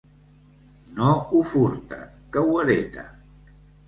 No ho furta, que ho hereta.